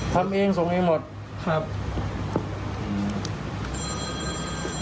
ทำเองส่งเองหมดครับ